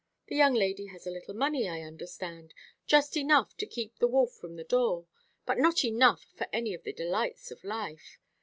The young lady has a little money, I understand, just enough to keep the wolf from the door, but not enough for any of the delights of life.